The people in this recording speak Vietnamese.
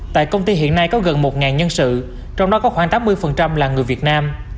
tại công ty hiện nay có gần một nhân sự trong đó có khoảng tám mươi là người việt nam